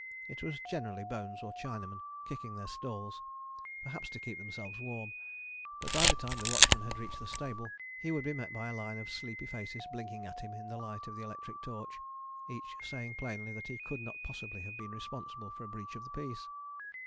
It was generally Bones or Chinaman kicking their stalls, perhaps to keep themselves warm, but by the time the watchman had reached the stable he would be met by a line of sleepy faces blinking at him in the light of the electric torch, each saying plainly that he could not possibly have been responsible for a breach of the peace!